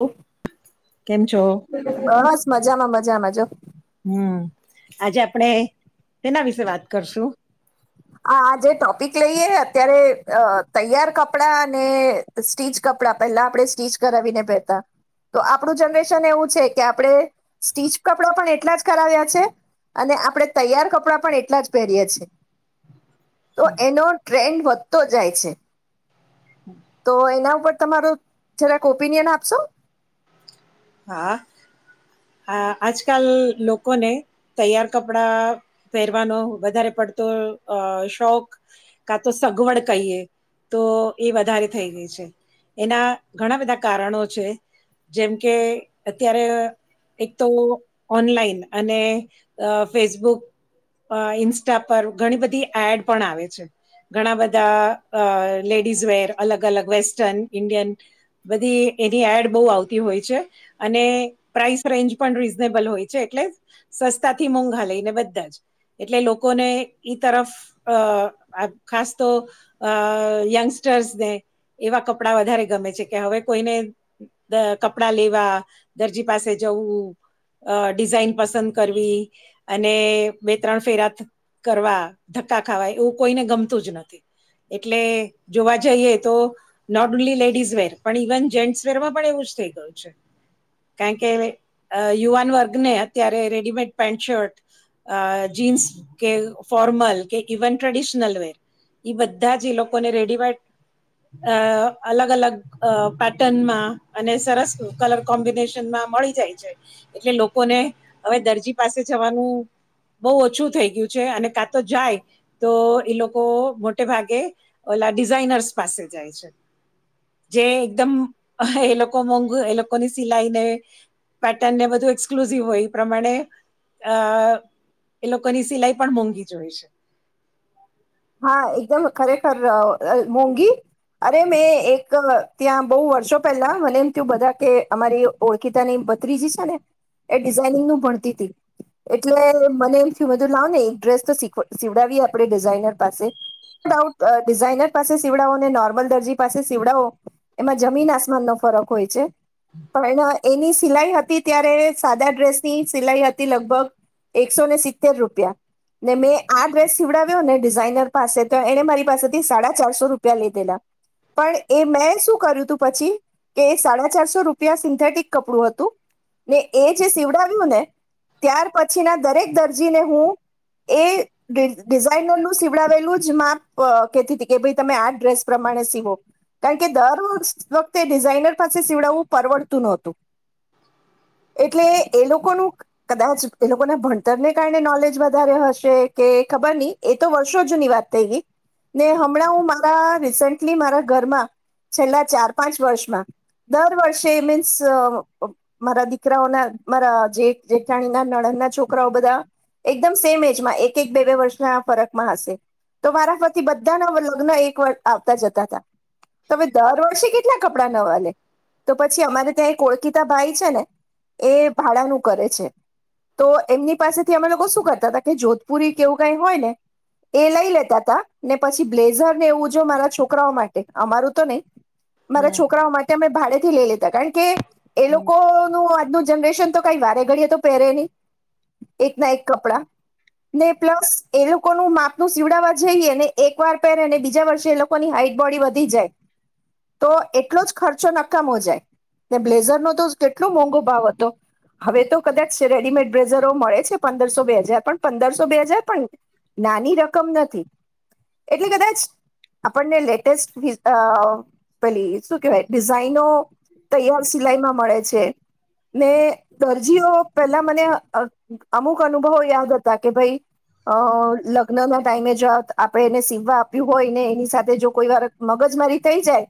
ઉ કેમ છો? બસ મજામાં મજામાં જો હમ આજે આપણે તેના વિશે વાત કરશું? આ આજે ટોપિક લઈએ અત્યારે અ તૈયાર કપડાં, અને સ્ટીચ કપડાં પહેલા આપણે સ્ટીચ કરાવીને પહેરતા, તો આપણું જનરેશન એવું છે કે આપણે સ્ટીચ કપડાં પણ એટલા જ કરાવ્યા છે, અને આપણે તૈયાર કપડાં પણ એટલા જ પહેરીએ છે. તો એનો ટ્રેન્ડ વધતો જાય છે. તો એના ઉપર તમારું જરાક ઓપિનિયન આપશો? હા હા, આજકાલ લોકોને તૈયાર કપડા પહેરવાનો વધારે પડતો અ શોખ કા તો સગવડ કહીએ તો એ વધારે થઈ ગઈ છે, એના ઘણા બધા કારણો છે જેમ કે અત્યારે એક તો ઓનલાઈન અને ફેસબુક, ઇન્સ્ટા પર ઘણી બધી એડ પણ આવે છે ઘણા બધા અ લેડીઝ વેર અલગ અલગ વેસ્ટર્ન, ઇન્ડિયન બધી એની એડ બહ આવતી હોય છે, અને પ્રાઇસ રેન્જ પણ રીઝનેબલ હોય છે એટલે સસ્તા થી મોંઘા લઈને બધા જ, એટલે લોકોને ઈ તરફ આ ખાસ તો અ યંગસ્ટર્સને એવા કપડા વધારે ગમે છે કે હવે કોઈને દ કપડા લેવા, દરજી પાસે જવું, અ ડિઝાઇન પસંદ કરવી અને બે ત્રણ ફેરાત કરવા, ધક્કા ખાવા એવું કોઈને ગમતું જ નથી. એટલે જોવા જઈએ તો નોટ ઓનલી લેડીઝ વર પણ ઇવન જેન્ટસ વરમાં પણ એવું જ થઈ કારણ કે યુવાન વર્ગને અત્યારે રેડીમેડ પેન્ટ શર્ટ, જીન્સ કે ફોર્મલ કે ઈવન ટ્રેડિશનલ વેર બધા જ એ લોકોને રેડીમેડ અલગ, અલગ, પેટર્નમાં અને સરસ કલર કોમ્બિનેશનમાં મળી જાય છે, એટલે લોકોને હવે દરજી પાસે જવાનું બહુ ઓછું થઈ ગયું છે, અને કા તો જાય તો એ લોકો મોટે ભાગે ઓલા ડિઝઇનર્સ પાસે જાય છે, જે એકદમ એ લોકો એ લોકોની સિલાઈને પેટર્નને બધું એસક્લુઝિવ હોય એ પ્રમાણે એ અ લોકોની સિલાઈ પણ મોંઘી હોય છે હા, એકદમ ખરેખર મોંઘી! અરે મેં એક ત્યાં બહુ વર્ષો પહેલા મને એમ થયું બધા કે અમારી ઓળખીતાની ભત્રીજી જે છે ને એ ડિઝાઇનિંગ નું ભણતી હતી, એટલે મને એમ થયું બધું લાવ ને એક ડ્રેસ તો સીવડાવીએ આપણે ડિઝઇનર પાસે નો ડાઉટ ડિઝઇનર પાસે સીવડાવો, નોર્મલ દર્જી પાસે સીવડાવો એમાં જમીન આસમાન નો ફરક હોય છે, પણ એની સિલાઈ હતી ત્યારે સાદા ડ્રેસની સિલાઈ હતી લગભગ એકસો ને સિતતેર રૂપિયા ને મેં આ ડ્રેસ સીવડાવ્યો ને ડિઝઇનર પાસે તો એને મારી પાસેથી સાડા ચારસો રૂપિયા લીધેલા, પણ એ મેં શું કર્યું હતું પછી કે સાડા ચારસો રૂપિયા સિન્થેટિક કપડું હતું ને એ જે સીવડાવ્યું ને ત્યાર પછી ના દરેક દર્જીને હું એ ડિઝઇનરનું સીવડાવેલું જ માપ કેતી કે ભ ઈ તમે આ ડ્રેસ પ્રમાણે સીવો કારણ કે દર વ વખતે ડિઝઇનર પાસે સીવડાવવું પરવડતું નહતું, એટલે એ લોકોનું કદાચ એ લોકોના ભણતરને કારણે નોલેજ વધારે હશે કે ખબર નહી તો વર્ષો જૂની વાત થઈ ગઈ, ને હમણાં હું મારા રીસેન્ટલી મારા ઘરમાં છેલ્લા ચાર પાંચ વર્ષમાં દર વર્ષે મીન્સ મારા દીકરાઓના, મારા જેઠ, જેઠાણીના, નણણના છોકરાઓ બધા એકદમ સેમ એજમાં એક એક, બે, બે, વર્ષના ફરક માં હશે તો વારાફરથી બધાના લગ્ન એક વાર આવતા જતા તા તમે દર વર્ષે કેટલા ક કપડા નવાલે તો પછી અમારે ત્યાં કો ખીતા ભાઈ છે ને, એ ભાડાનું કરે છે તો એમની પાસે થી અમે લોકો શું કરતા હતા કે, જોધપુરી કેવું કઈ હોય ને એ લઈ લેતા તા ને પછી બ્લેઝર ને એવું જો મારા છોકરાઓ માટે, અમારું તો નહી મારા હમ છોકરાઓ માટે અમે ભાડેથી લઈ લે કારણ કે એ હમ લોકો નું આજલું જ જનરેશન તો કઈ વારે ઘડીએ તો પહેરે નહી, એક ના એક કપડા ને પ્લસ એ લોકો લોકોનું માપનું સીવડાવવા જઈએ ને એક વાર પહેરેને બીજા વર્ષે એ લોકોની હાઈટ બોડી વધી જાય તો એટલો જ ખર્ચો નકામો જાય ને બ્લેઝરનો તો કેટલો મોંઘો ભાવ હતો હવે તો કદાચ રેડીમેડ બ્લેઝરો મળે છે પંદરસો, બે હજાર પણ પંદરસો બે હજાર પણ નાની રકમ નથી એટલે કદાચ આપણને લેટેસ્ટ પેલી શું કેહેવાય ડિઝાાઈનો તૈયાર સિલાઈમાં મળે છે, ને દરજીઓ પેલા મને અમુક અનુભવો યાદ હતા કે ભાઈ અ લગ્ન ના ટાઈમે જો આપે એને સીવવા આપ્યું હોય ને એની સાથે જો કોઈ વાર મગજ મારી થઈ જાય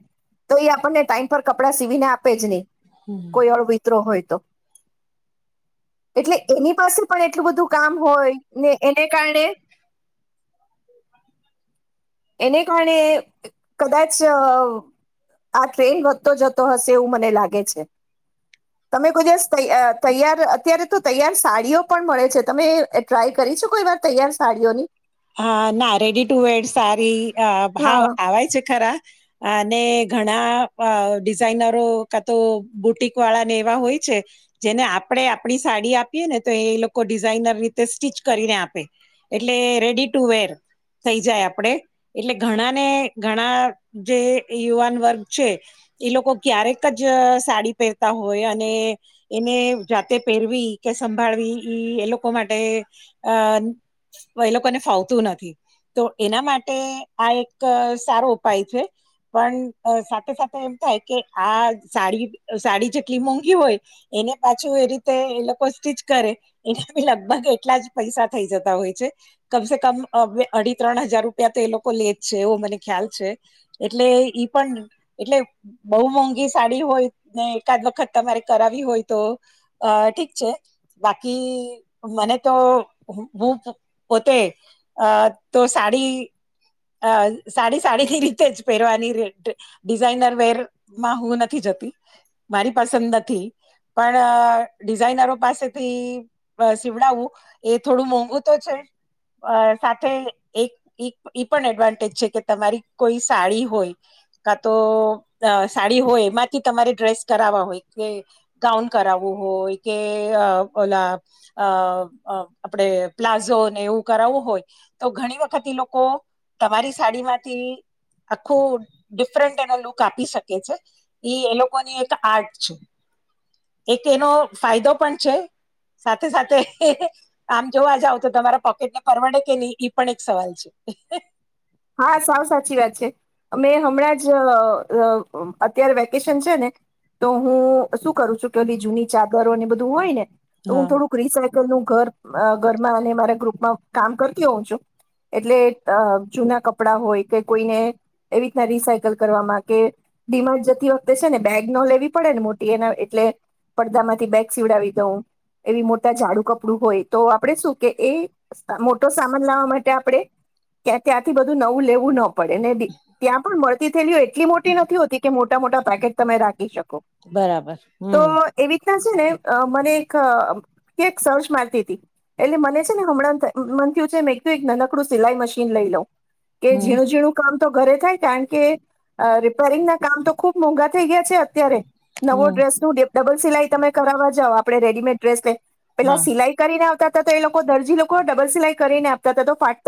તો એ આપણને ટાઈમ પર કપડાં સીવીને આપ આપે જ નહી હમ કોઈ અળવિત્રો હોય તો એટલે એની પાસે પણ એટલું બધું કામ હોય ને એને કારણે એને કારણે કદાચ આ ટ્રેડ વધતો જતો હશે એવું મને લાગે છે, તમે કોઈ દિવસ તૈયાર અત્યારે તો તૈયાર સાડીઓ પણ મળે છે તમે ટ્રાય કરી છે કોઈ વાર તૈયાર સાડીઓની હા, ના રેડી ટુ વેર સારી ભાવ હા આવે છે ખરા અને ઘણા ડિઝાાઈનરો કા તો બુટિક વાળા ને એવા હોય છે જેને આપણેે આપણી સાડી આપીએ ને તો એ લોકો ડિઝાઇનર રીતે સ્ટિચ કરીને આપે એટલે રેડી ટુ વેર થઈ જાય આપણેે એટલે ઘણા ને ઘણા જે યુવાન વર્ગ છે એ લોકો ક્યારેક જ સાડી પહેરતા હોય અને એને જાતે પહેરવી કે સંભાળવી ઈ એ લોકો માટે અ એ લોકોને ફાવતું નથી તો એના માટે આ એક સારો ઉપાય છે, પણ સાથે સાથે એમ થાય કે આ સાડી, સાડી જેટલી મોંઘી હોય એને પાછું એ રીતે એ લોકો સ્ટીચ કરે એના બી લગભગ એટલા જ પૈસા થઈ જતા હોય છે કમસે કમ અઢી ત્રણ હજાર રૂપિયા તો એ લોકો લેજ છે, એવો મને ખ્યાલ છે એટલે ઈ પણ એટલે બહુ મોંઘી સાડી હોય ને એકાદ વખત તમારે કરાવી હોય તો ઠીક છે બાકી મને તો બુ પોતે અ તો સાડી અ સાડી, સાડીની રીતે જ પહેરવાની, ડિઝાાઈનર વેરમાં હું નથી જતી, મારી પસંદ નથી પણ ડિઝાાઈનરો પાસેથી સીવડાવવું એ થોડું મોંઘુ તો છે, સાથે એક એ પણ એડવાન્ટેજ છે કે તમારી કોઈ સાડી હોય કા તો સાડી હોય એમાંથી તમારે ડ્રેસ કરાવવા હોય કે ગાઉન કરાવવું હોય કે ઓલા આપણે પ્લાઝો એવું કરાવવું હોય તો ઘણી વખત એ લોકો તમારી સાડીમાંથી આખું ડિફરન્ટ એનો લુક આપી શકે છે ઈ એ લોકોની એક આર્ટ છે એક એનો ફાયદો પણ છે સાથે સાથે આમ જોવા જાવ તો તમારા પોકેટને પરવડે કે નહી એ પણ એક સવાલ છે હ હા, સાવ સાચી વાત છે, અમે હમણાં જ અત્યારે વેકેશન છે, ને તો હું શું કરું છું કેધી જૂની ચાદરો ને બધું હોય ને તો હું હા થોડુંક રિસર્ચ ત ઘર ઘરમાં અને મારા ગ્રુપમાં કામ કરતી હોઉં છું એટલે અ જુના કપડા હોય કે કોઈને એવી રીતના રિસાયકલ કરવામાં કે ડિમાગ જતી વખતે છે ને બેગ ન લેવી પડે ને મોટી એના એટલે પડદા માંથી બેગ સીવડાવી દઉં એવી મોટા ઝાડું કપડું હોય તો આપડણે શું કે એ મોટો સામાન લાવવા માટે આપણે ક્યાં ત્યાં બધું નવું લેવું ન પડે ને ત્યાં પણ મળતી થયેલી એટલી મોટી નથી હોતી કે મોટા મોટા પેકેટ તમે રાખી શકો. બરાબર હમ્મ. તા છે ને અ મને એક ક્યાંક સર્ચ મારતી હતી એટલે મને છે ને હમણાં થયું છે મે એક નનકડું સિલાઈ મશીન લઈ લઉ. કે હમ જેણું જેણું કામ તો ઘરે થાય કારણ કે રિપેરિંગ ના કામ તો ખુબ મોંઘા થઈ ગયા. અત્યારે નવો હમ ડ્રેસ ન ડે ડબલ સિલાઈ તમે કરાવવા જઓ આપણે રેડીમેડ ડ્રેસ લઈ પેલા હા સિલાઈ કરીને આવતા તો એ લોકો દરજી લોકો ડબલ સિલાઈ કરીને આપતા હતા તો ફાટ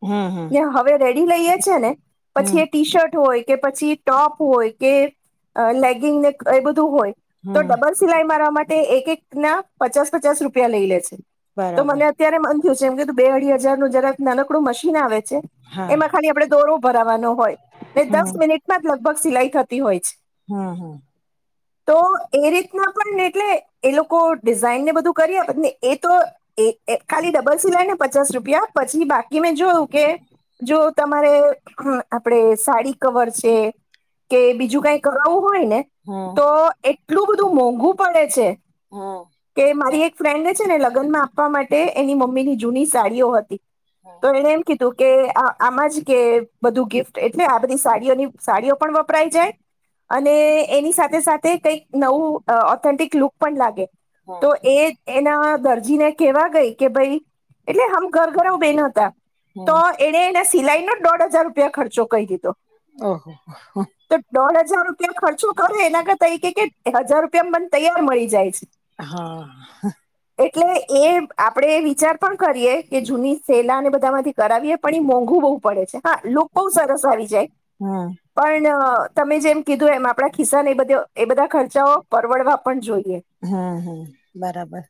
હમ્મ હમ્મ. હવે રેડી લઈએ છે ને. પછી એ ટી શર્ટ હોય કે પછી ટોપ હોય કે લેગિંગને એ બધું હોય. તો હમ ડબલ સિલાઈ મારવા માટે તે એક એક ના પચાસ પચાસ રૂપિયા લઈ લે છે. તો બરાબર મને અત્યારે મ એમ કધું બે અઢી હજાર નું જરાક નાનકડું મશીન આવે છે. હા એમાં ખાલી આપ દોરો ભરાવાનો હોય દસ મિનિટ મા લગભગ સિલાઈ થતી હોય છે. હમ્મ હમ્મ. તો એ રીતના પણ એટલે એ લોકો ડિઝાઇનને બધું કરીને એ તો ખાલી ડબલ સિલાય ને પચાસ રૂપિયા પછી બાકી મેં જોયું કે જો તમારે આપડે સાડી કવર છે કે બીજું કઈ કરાવું હોય ને હમ તો એક એટલું બધું મોંઘું પડે છે. હમ કે મારી એક ફ્રેન્ડને છે ને લગનમાં આપવા માટે એની મમ્મીની જૂની સાડીઓ હતી. હમ તો એમ કી તો કે આમાં જ કે બધું ગિફ્ટ એટલે આ બધી સાડીઓની સાડીઓ પણ વપરાઈ જાય અને એની સાથે સાથે કઈક નવું ઓથેન્ટિક લુક પણ લાગે. હમ તો એ એના દરજીને કેહેવા ગઈ કે ભાઈ એટલે હમ ઘર ઘર બેન હતા. તો હમ એ સિલાઈ નો દોઢ હજાર રૂપિયા ખર્ચો કહી દીધો. ઓહ. તો દોઢ હજાર રૂપિયા ખર્ચો કરે એના કર તરીકે કે હજાર રૂપિયામાં મને તૈયાર મળી જાય છે. હા. એટલે એ આપડે એ વિચાર પણ કરીએ કે જૂની સેલાને બધા માંથી કરાવીએ પણ એ મોંઘુ બહુ પડે છે હા લોકો બઉુ સરસ આવી જાય હમ પણ તમે જેમ કીધું એમ આપડા ખીસા એ બધ એ બધા ખર્ચાઓ પરવડવા પણ જોઈએ. હમ્મ હમ્મ બરાબર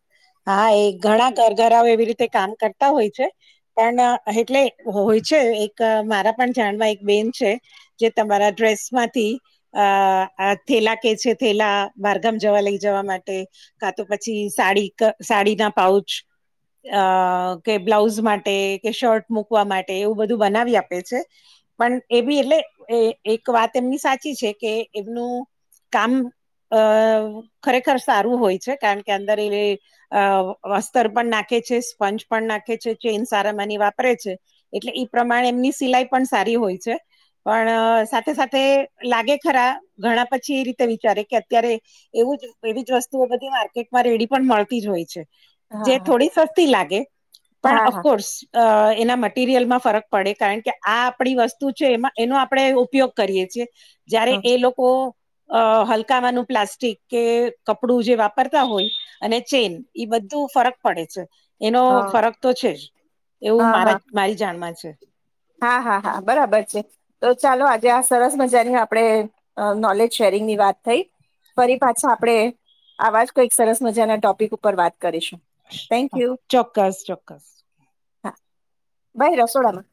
હા એક ઘણા ઘરઘરાઓ એવી રીતે કામ કરતા હોય છે પણ એટલે હોય છે એક મારા પણ ધ્યાનમાં એક બેન છે જે તમારા ડ્રેસમાંથી અ થેલા કે છે થેલા બરગામ જવા લઈ જવા માટે એ તો પછી સાડી સાડી ના પાઉચ અ કે બ્લાઉઝ માટે કે શર્ટ મુકવા માટે એવું બધું બનાવી આપે છે પણ એ બી એટલે એક વાત એમની સાચી છે કે એમનું કામ અ ખરેખર ખર સારું હોય છે કારણ કે અંદર એ અ વસ્ત્રર પણ નાખે છે સ્પંજ પણ નાખે છે ચેઇન સારામાંની વાપરે છે એટલે ઈ પ્રમાણે એમની સિલાઈ પણ સારી હોય છે પણ સાથે સાથે લાગે ખરા ઘણા પછી એ રીતે વિચારે કે અત્યારે એવું એવી જ વસ્તુઓ બધી માર્કેટમાં રેડી પણ મળતી જ હોય છે. જે હા થોડી સસ્તી લાગે પણ હા હા અફકોર્સ અ એના માટે મટિરિયલમાં ફરક પડે કારણ કે આ આપણી વસ્તુ છે એમાં એનો આપણે ઉપયોગ કરીએ છીએ. જયારે હા એ લોકો અ હલકાવાનું પ્લાસ્ટિક કે કપડું જે વાપરતા હોય અને ચેન એ બધું ફરક પડે છે. એનો હા ફરક તો છે જ એવું હા મા હા મારી જાણમાં છે. હા હા હા બરાબર છે તો ચાલો આજે આ સરસ મજાની આપણે નોલેજ શેરિંગ ની વાત થઈ ફરી પાછા આપણેે આવા જ કઈક સરસ મજાના ટોપિક ઉપર વાત કરીશું થેન્ક યુ ચોક્કસ ચોક ભઈ રસોડા. [inaudible]